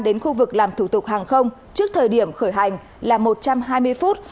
đến khu vực làm thủ tục hàng không trước thời điểm khởi hành là một trăm hai mươi phút